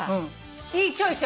いいチョイスよ